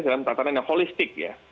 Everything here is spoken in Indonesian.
dalam tatanan yang holistik ya